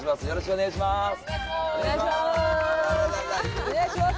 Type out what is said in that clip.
お願いします。